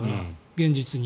現実に。